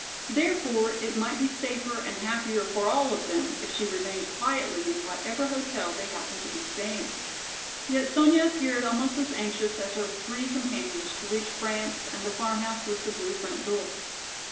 Therefore it might be safer and happier for all of them if she remained quietly in whatever hotel they happened to be staying. Yet Sonya appeared almost as anxious as her three companions to reach France and the "Farmhouse with the Blue Front Door."